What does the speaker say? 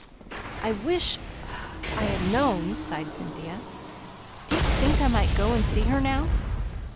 "I wish I had known!" sighed Cynthia. "Do you think I might go and see her now?"